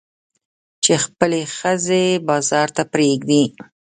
چې خپلې ښځې بازار ته پرېږدي.